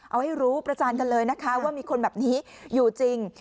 เอาให้รู้ประจานกันเลยนะคะว่ามีคนแบบนี้อยู่จริง